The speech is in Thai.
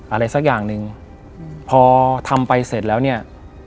อะไรสักอย่างหนึ่งพอทำไปเสร็จแล้วเนี่ย